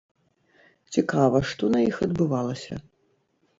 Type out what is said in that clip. Цікава, што на іх адбывалася?